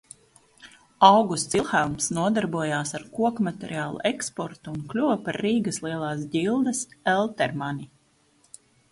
Augusts Vilhelms nodarbojās ar kokmateriālu eksportu un kļuva par Rīgas Lielās ģildes eltermani.